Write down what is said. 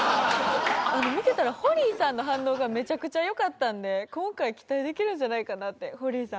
見てたら、ホリーさんの反応がめちゃくちゃよかったんで、今回、期待できるんじゃないかなって、ホリーさん。